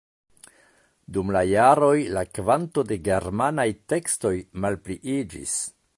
Dum la jaroj la kvanto de germanaj tekstoj malpliiĝis.